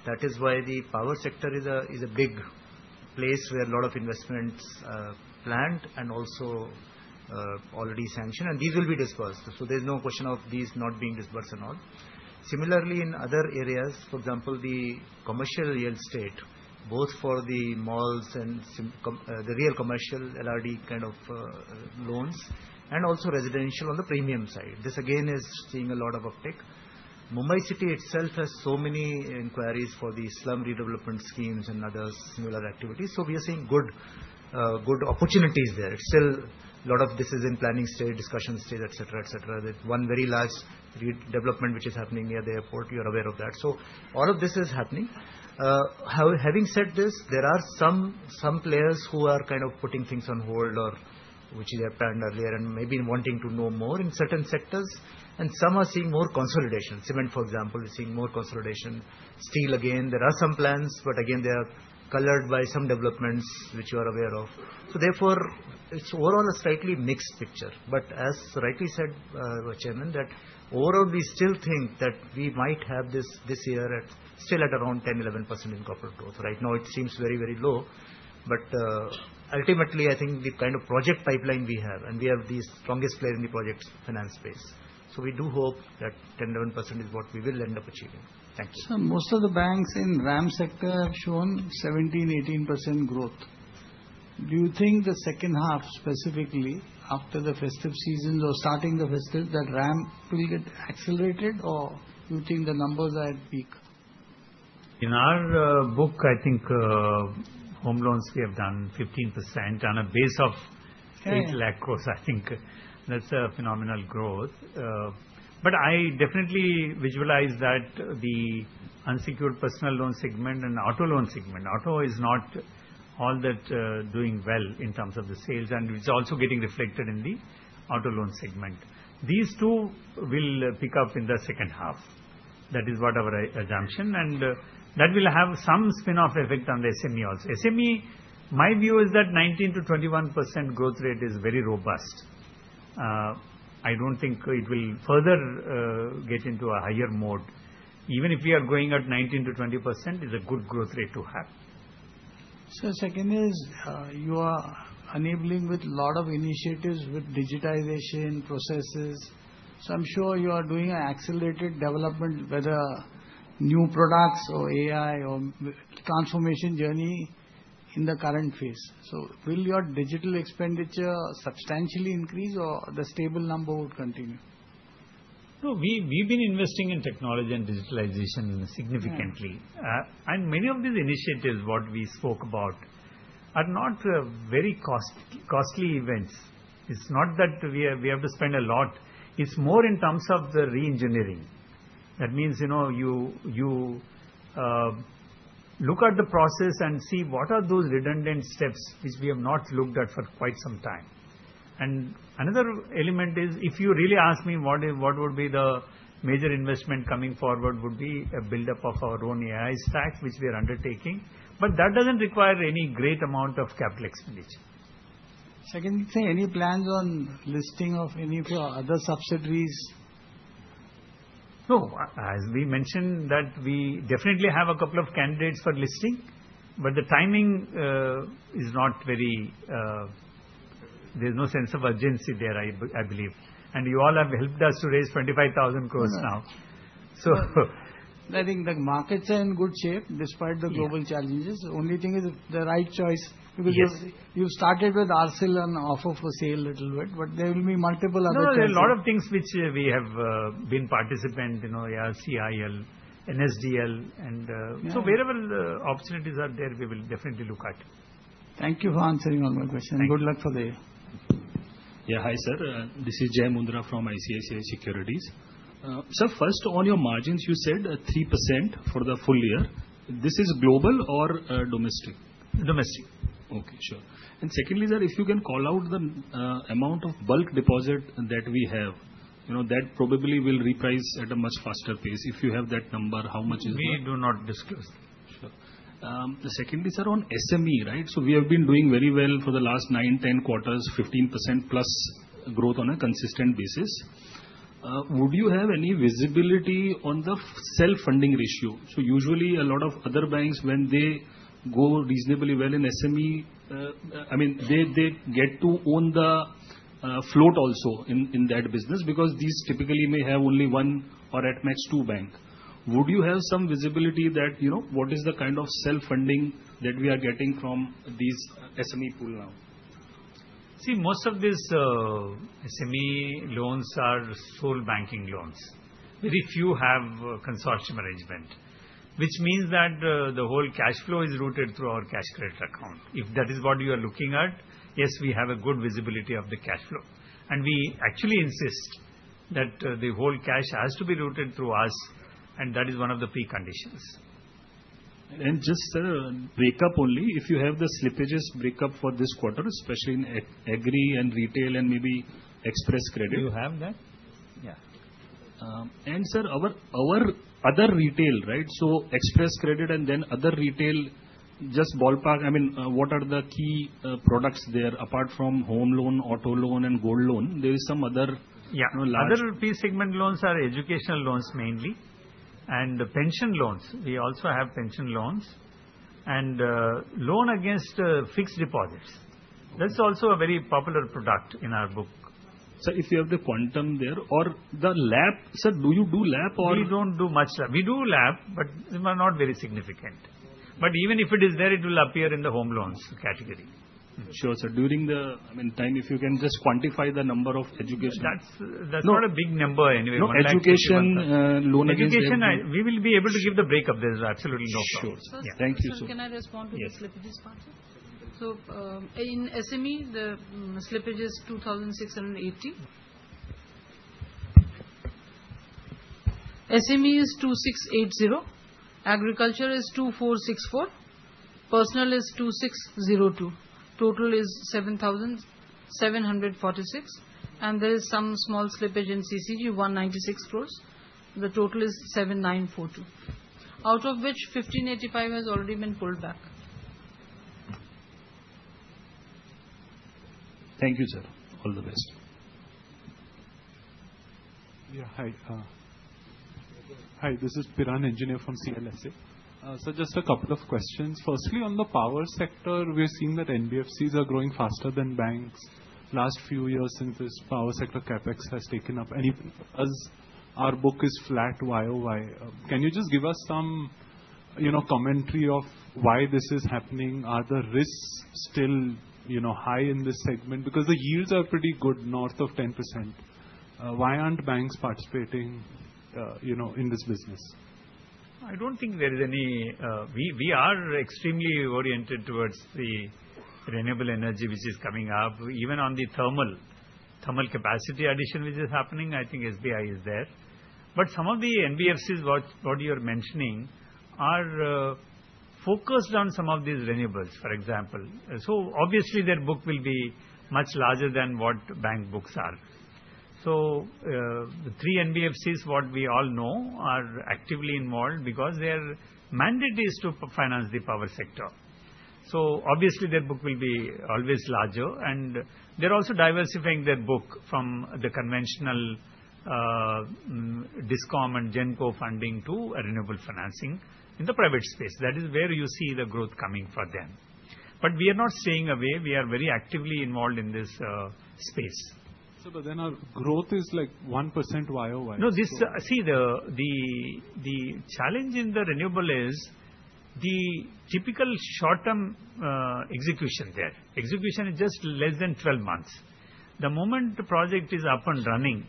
That is why the power sector is a big place where a lot of investments are planned and also already sanctioned, and these will be disbursed. There's no question of these not being disbursed and all similarly in other areas. For example, the commercial real estate, both for the malls and the real commercial LRD kind of loans and also residential on the premium side, this again is seeing a lot of uptick. Mumbai city itself has so many inquiries for the slum redevelopment schemes and other similar activities. We are seeing good opportunities there. It's still a lot of decision, planning stage, discussion stage, etc. There's one very large development which is happening near the airport. You're aware of that. All of this is happening. Having said this, there are some players who are kind of putting things on hold or which they have planned earlier and maybe wanting to know more in certain sectors. Some are seeing more consolidation in, cement for example, we're seeing more consolidation in steel. Again, there are some plans, but again, they are colored by some developments which you are aware of. Therefore, it's overall a slightly mixed picture. As rightly said by Chairman, overall we still think that we might have this year still at around 10%, 11% in corporate growth right now. It seems very low. Ultimately, I think the kind of project pipeline we have, and we have the strongest player in the project finance space. We do hope that 10%, 11% is what we will end up achieving. Thanks. Most of the banks in RAM sector have shown 17%, 18% growth. Do you think the second half, specifically after the festive seasons or starting the festive, that ramp will get accelerated? Or do you think the numbers are at peak? In our book, I think home loans, we have done 15% on a base of 8 lakh crore. I think that's a phenomenal growth. I definitely visualize that the unsecured personal loan segment and auto loan segment—auto is not all that doing well in terms of the sales, and it's also getting reflected in the auto loan segment. These two will pick up in the second half. That is what our assumption is, and that will have some spin-off effect on the SME also. SME, my view is that 19%-21% growth rate is very robust. I don't think it will further get into a higher mode. Even if we are going at 19%-20%, it is a good growth rate to have. You are enabling with a lot of initiatives with digitization processes. I'm sure you are doing an accelerated development, whether new products or AI or transformation journey is the current phase. Will your digital expenditure substantially increase, or would the stable number continue? No, we've been investing in technology and digitalization significantly, and many of these initiatives we spoke about are not very costly events. It's not that we have to spend a lot. It's more in terms of the re-engineering. That means you look at the process and see what are those redundant steps which we have not looked at for quite some time. Another element is, if you really ask me, what would be the major investment coming forward would be a buildup of our own AI stacks, which we are undertaking. That doesn't require any great amount of capital expenditure. Any plans on listing any of your other subsidiaries? As we mentioned, we definitely have a couple of candidates for listing, but the timing is not very—there's no sense of urgency there, I believe. You all have helped us to raise 25,000 crore now. I think the markets are in good shape despite the global challenges. The only thing is the right choice because you started with ARCIL and offer for sale a little bit. There will be multiple other things. A lot of things which we have been participant, you know, ARCIL, NSDL and so variable opportunities are there. We will definitely look at. Thank you for answering all my questions. Good luck for the year. Yeah. Hi sir, this is Jai Mundhra from ICICI Securities. Sir, first on your margins you said 3% for the full year. This is global or domestic? Domestic. Okay, sure. Secondly, if you can call out the amount of bulk deposit that we have, you know that probably will reprice at a much faster pace. If you have that number. How much? We do not disclose. The second is around SME. Right. We have been doing very well for the last nine, ten quarters. 15%+ growth on a consistent basis. Would you have any visibility on the self funding ratio? Usually a lot of other banks when they go reasonably well in SME, I mean they get to own the float also in that business because these typically may have only one or at max two banks. Would you have some visibility that you know what is the kind of self funding that we are getting from these SME pool now? See, most of these SME loans are sole banking loans. Very few have consortium arrangement, which means that the whole cash flow is routed through our cash credit accounts if that is what you are looking at. Yes, we have a good visibility of the cash flow and we actually insist that the whole cash has to be routed through us. That is one of the preconditions. Sir, breakup. Only if you have the slippages breakup for this quarter especially in agri and retail and maybe Xpress Credit. You have that? Yeah. Sir, our other retail. Right, so Xpress Credit and then other retail. Just ballpark. I mean what are the key products there apart from home loan, auto loan and gold loan? There is some other. Yeah, other p-segment loans are educational loans mainly and pension loans. We also have pension loans and loan against fixed deposits. That's also a very popular product in our book. If you have the quantum there or the LAP. Sir, do you do LAP or? We don't do much, we do LAP but they are not very significant. Even if it is there, it will appear in the home loans category. Sure sir, during the time if you can just quantify the number of education that's. That's not a big number. Anyway, education loan, education we will be able to give the breakup. There's absolutely no. Thank you sir. Can I respond to the slippages part, sir? In [SME the slippage is INR 2,618 crore. SME is INR 2,680 crore. Agriculture is 2,464 crore, personal is 2,602 crore. Total is 7,746 crore. There is some small slippage in CCG, 196 crore. The total is 7,942 crore, out of which 1,585 crore] has already been pulled back. Thank you, sir. All the best. Yeah. Hi, this is Piran Engineer from CLSA. Just a couple of questions. Firstly, on the power sector, we're seeing that NBFCs are growing faster than banks. Last few years, since this power sector CapEx has taken up, anything for us? Our book is flat YoY. Can you just give us some commentary of why this is happening? Are the risks still high in this segment? Because the yields are pretty good, north of 10%. Why aren't banks participating in this business? I don't think there is any. We are extremely oriented towards the renewable energy which is coming up. Even on the thermal capacity addition which is happening, I think SBI is there. Some of the NBFCs you are mentioning are focused on some of these renewables, for example, so obviously their book will be much larger than what bank books are. The three NBFCs we all know are actively involved because their mandate is to finance the power sector. Their book will always be larger and they're also diversifying their book from the conventional DISCOM and GENCO funding to renewable financing in the private space. That is where you see the growth coming for them. We are not staying away. We are very actively involved in this space. Our growth is like 1% YoY. The challenge in the renewable is the typical short-term execution. Their execution is just less than 12 months. The moment the project is up and running,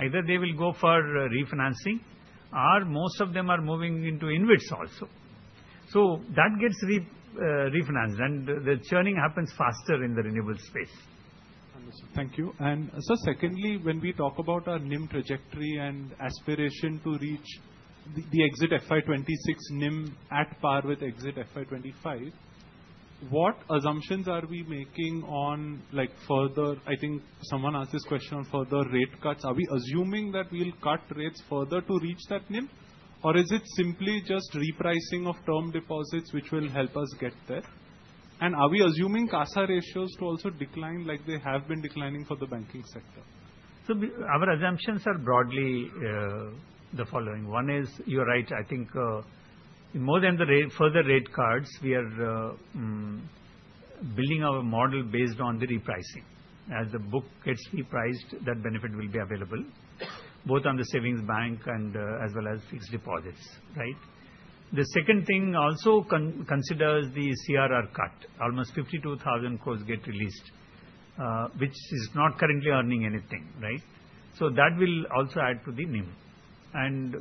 either they will go for refinancing or most of them are moving into InvITs also. That gets refinanced and the churning happens faster in the renewable space. Understood, thank you. Secondly, when we talk about our NIM trajectory and aspiration to reach the exit FY 2026 NIM at par with exit FY 2025, what assumptions are we making on further— I think someone asked this question— on further rate cuts? Are we assuming that we'll cut rates further to reach that NIM or is it simply just repricing of term deposits which will help us get there? Are we assuming CASA ratios to also decline like they have been declining for the banking sector? Our assumptions are broadly the following. One is you're right. I think more than the further rate cards we are building our model based on the repricing. As the book gets repriced, that benefit will be available both on the savings bank and as well as fixed deposits. Right. The second thing also considers the CRR cut. Almost 52,000 crore gets released, which is not currently earning anything. Right. That will also add to the NIM.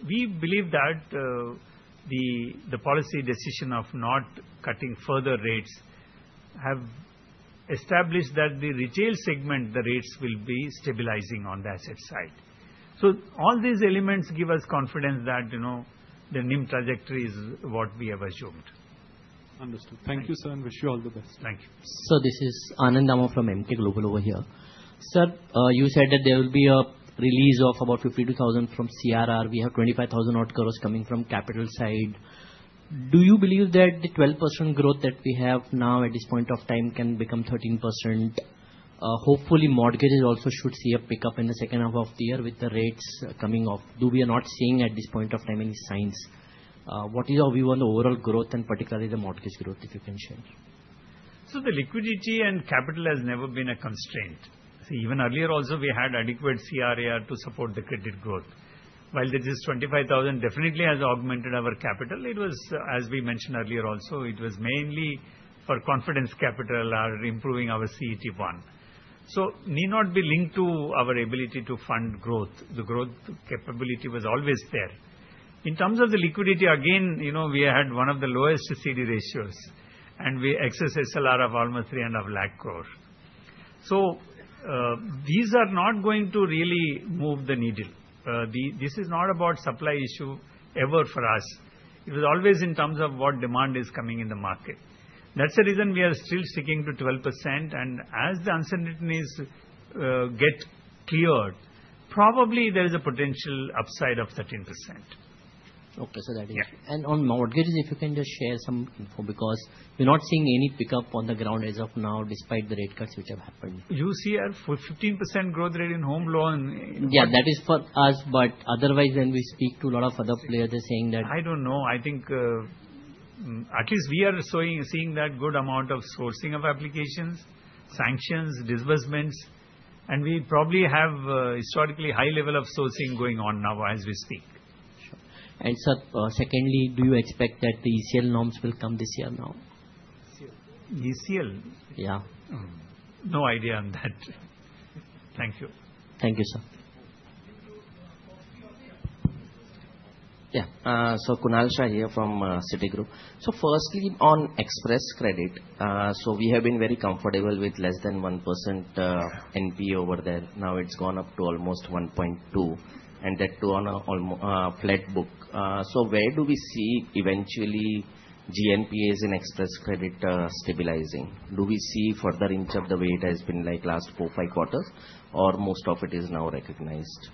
We believe that the policy decision of not cutting further rates has established that the retail segment, the rates will be stabilizing on the asset side, so all these elements give us confidence that the NIM trajectory is what we have assumed. Understood. Thank you, sir, and wish you all the best. Thank you. This is Anand Dama from Emkay Global over here. Sir, you said that there will be a release of about 52,000 crore from CRR. We have 25,000 odd crore coming from capital side. Do you believe that the 12% growth that we have now at this point of time can become 13%? Hopefully, mortgages also should see a pickup in the second half of the year with the rates coming off. We are not seeing at this point of time any signs. What is your view on the overall growth and particularly the mortgage growth if you can share? The liquidity and capital has never been a constraint. Even earlier also we had adequate CRAR to support the credit growth. While this 25,000 crore definitely has augmented our capital, it was as we mentioned earlier also, it was mainly for confidence capital or improving our CET-1, so need not be linked to our ability to fund growth. The growth capability was always there. In terms of the liquidity, again, we had one of the lowest CD ratios and we had excess SLR of almost 3.5 lakh crore. These are not going to really move the needle. This is not about supply issue ever for us; it was always in terms of what demand is coming in the market. That's the reason we are still sticking to 12%. As the uncertainties get cleared, probably there is a potential upside of 13%. Okay, and on mortgage, if you can just share some info because we're not seeing any pickup on the ground as of now despite the rate cuts which have happened. You see for 15% growth rate in home loan. Yeah, that is for us. Otherwise, when we speak to a lot of other players, they're saying that. I don't know, I think at least we are seeing that good amount of sourcing of applications, sanctions, disbursements, and we probably have historically high level of sourcing going on now as we speak. Sir, secondly, do you expect that the ECL norms will come this year now? ECL? Yeah, no idea on that. Thank you. Thank you, sir. Kunal Shah here from Citigroup. Firstly, on Xpress Credit. We have been very comfortable with less than 1% NPA over there. Now it's gone up to almost 1.2% and that too on a flat book. Where do we see eventually GNPAs in Xpress Credit stabilizing? Do we see further inch of the way it has been like last four, five quarters or most of it is now recognized?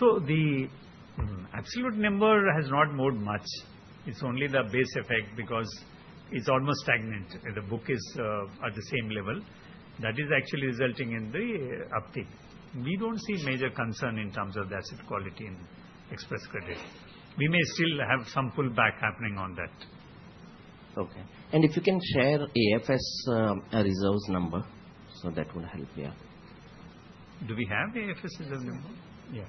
The absolute number has not moved much. It's only the base effect because it's almost stagnant. The book is at the same level. That is actually resulting in the uptick. We don't see major concern in terms of the asset quality in Xpress Credit. We may still have some pullback happening on that. Okay. If you can share AFS reserves number, that would help. Yeah. Do we have AFS reserves number? Yeah.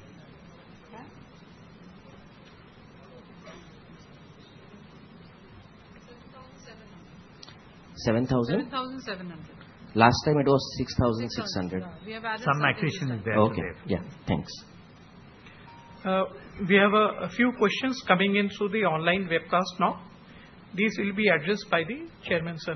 7,000 crore? 7,700 crore. Last time it was 6,600 crore. Some accretion is there? Yeah. Thanks. We have a few questions coming in through the online webcast now. These will be addressed by the Chairman. Sir.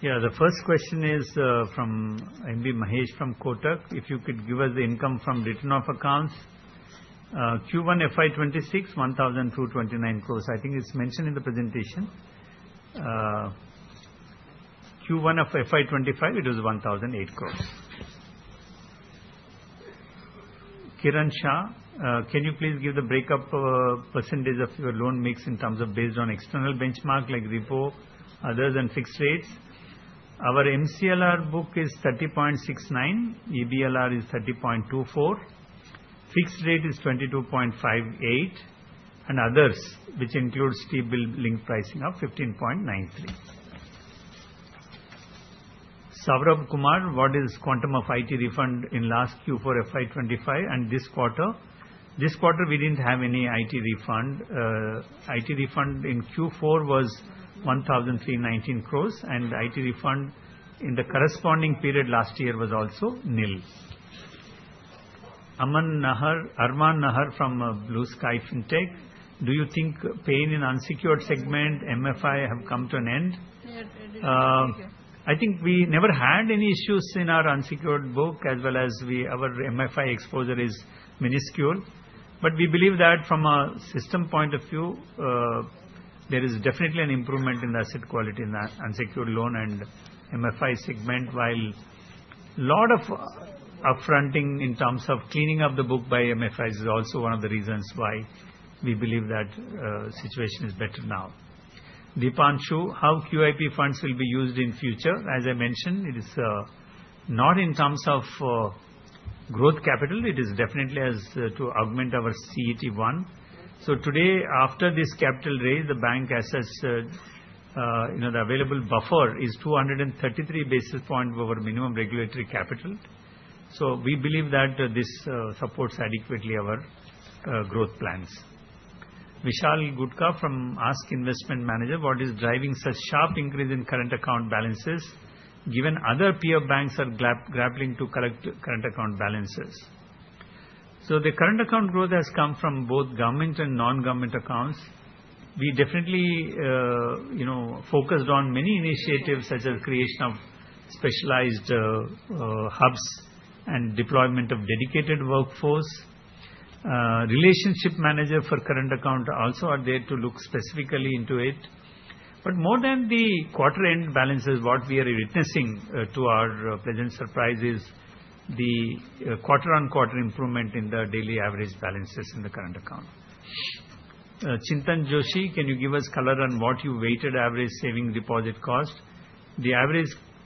The first question is from M.B. Mahesh from Kotak. If you could give us the income from written off accounts Q1 FY 2026, 1,229 crore. I think it's mentioned in the presentation. Q1 of FY25, it was 1,008 crore. Kiran Shah, can you please give the breakup percentage of your loan mix in terms of based on external benchmark like repo? Other than fixed rates, our MCLR book is 30.69%. EBLR is 30.24%. Fixed rate is 22.58% and others, which includes T-bill link pricing, is 15.93%. Saurabh Kumar, what is quantum of IT refund in last Q4 FY 2025 and this quarter? This quarter we didn't have any IT refund. IT refund in Q4 was 1,319 crore and IT refunds in the corresponding period last year was also nil. Armaan Nahar from Blue Sky Fintech. Do you think pain in unsecured segment MFI have come to an end? I think we never had any issues in our unsecured book as well as our MFI exposure is minuscule, but we believe that from a system point of view there is definitely an improvement in the asset quality in the unsecured loan and MFI segment. While a lot of upfronting in terms of cleaning up the book by MFI is also one of the reasons why we believe that situation is better now. Deepanshu, show how QIP funds will be used in future. As I mentioned, it is not in terms of growth capital. It is definitely to augment our CET-1. Today, after this capital raise, the bank assesses the available buffer is 233 basis points over minimum regulatory capital. We believe that this supports adequately our growth plans. Vishal Gutka from ASK Investment Manager, what is driving such sharp increase in current account balances given other peer banks are grappling to collect current account balances? The current account growth has come from both government and non-government accounts. We definitely focused on many initiatives such as creation of specialized hubs and deployment of dedicated workforce. Relationship managers for current account also are there to look specifically into it. More than the quarter-end balances, what we are witnessing to our pleasant surprise is the quarter-on-quarter improvement in the daily average balances in the current account. Chintan Joshi, can you give us color on what your weighted average savings deposit cost is? The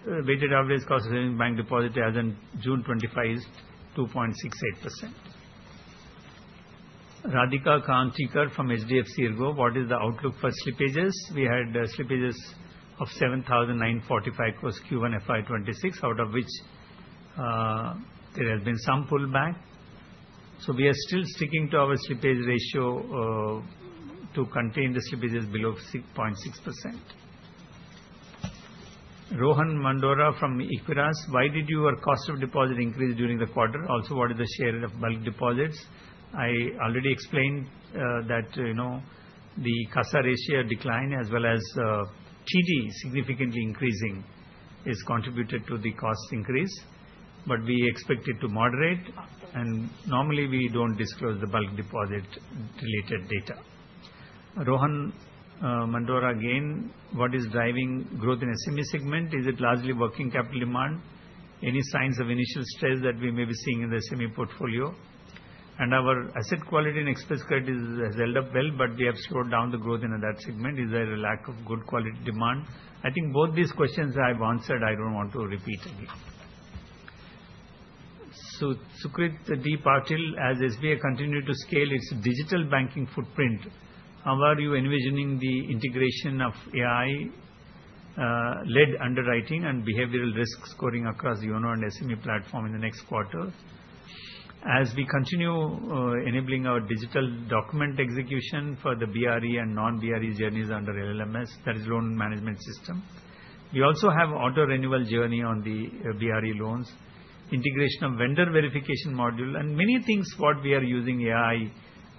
average weighted average cost of saving bank deposit as in June 25 is 2.68%. Radhika Kantikar from HDFC ERGO, what is the outlook for strategies? We had slippages of 7,945 crore Q1 FY 2026, out of which there has been some pullback. We are still sticking to our slippage ratio to contain the slippages below 6.6%. Rohan Mandora from Equirus, why did your cost of deposit increase during the quarter? Also, what is the share of bulk deposits? I already explained that the CASA ratio decline as well as TD significantly increasing has contributed to the cost increase, but we expect it to moderate and normally we don't disclose the bulk deposit related data. Rohan Mandora again, what is driving growth in SME segment? Is it largely working capital demand? Any signs of initial stress that we may be seeing in the SME portfolio and our asset quality in Xpress Credit has held up well, but we have slowed down the growth in that segment. Is there a lack of good quality demand? I think both these questions I've answered, I don't want to repeat again. Sukrit D. Patel, as SBI continues to scale its digital banking footprint, how are you envisioning the integration of AI-led underwriting and behavioral risk scoring across YONO and SME platform in the next quarter as we continue enabling our digital document execution for the BRE and non-BRE journeys under LMS, that is Loan Management System. You also have auto renewal journey on the BRE loans, integration of vendor verification module and many things. What we are using, AI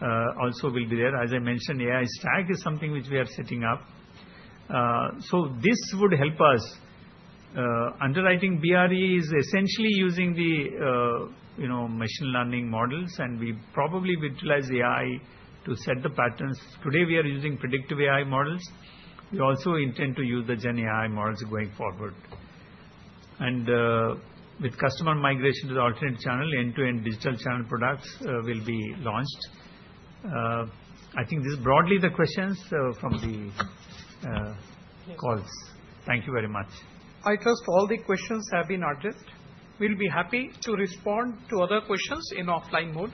also will be there. As I mentioned, AI stack is something which we are setting up, so this would help us. Underwriting BRE is essentially using the machine learning models, and we probably utilize AI to set the patterns. Today we are using predictive AI models. We also intend to use the GenAI models going forward, and with customer migration to the alternate channel, end-to-end digital channel products will be launched. I think this is broadly the questions from the calls. Thank you very much. I trust all the questions have been addressed. We'll be happy to respond to other questions in offline mode.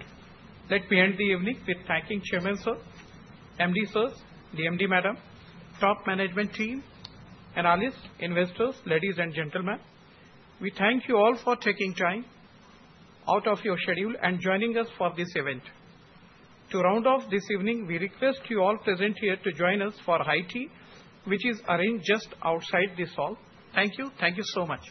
Let me end the evening with thanking Chairman Sir. Sir, MD Sirs, DMD Madam, top management team, analysts, investors, ladies and gentlemen, we thank you all for taking time out of your schedule and joining us for this event. To round off this evening, we request you all present here to join us for high tea, which is arranged just outside this hall. Thank you. Thank you so much.